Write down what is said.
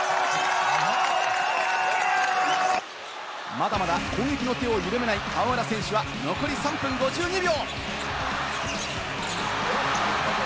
まだまだ攻撃の手を緩めない河村選手は残り３分５２秒。